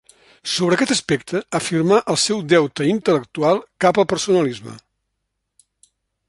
Sobre aquest aspecte, afirmà el seu deute intel·lectual cap al personalisme.